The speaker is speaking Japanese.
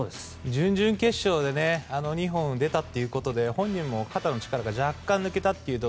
準々決勝で２本出たということで本人も肩の力が若干抜けたと。